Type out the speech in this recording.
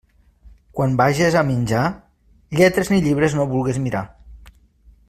Quan vages a menjar, lletres ni llibres no vulgues mirar.